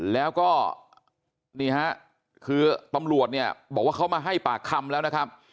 แล้วก็นี่ฮะคือตำรวจเนี่ยบอกว่าเขามาให้ปากคำแล้วนะครับ